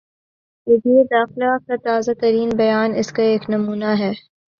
وزیر داخلہ کا تازہ ترین بیان اس کا ایک نمونہ ہے۔